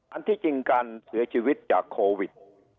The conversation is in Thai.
อันที่จริงการเสียชีวิตจากโควิด